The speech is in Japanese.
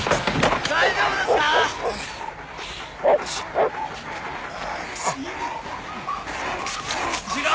大丈夫ですか⁉ジロ！